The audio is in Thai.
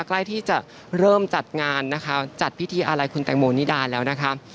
ใกล้ที่จะเริ่มจัดงานนะคะจัดพิธีอะไรคุณแตงโมนิดาแล้วนะคะ